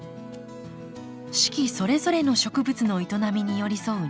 四季それぞれの植物の営みに寄り添う庭づくり。